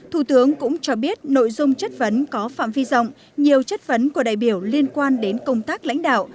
thủ tướng cũng cho biết nội dung chất vấn có phạm vi rộng nhiều chất vấn của đại biểu liên quan đến công tác lãnh đạo